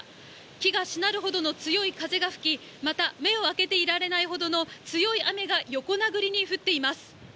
木がしなるほどの強い風が吹き、また目を開けていられないほどの強い雨が横殴りに降っています。